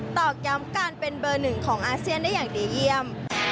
ตอกย้ำการเป็นเบอร์หนึ่งของอาเซียนได้อย่างดีเยี่ยม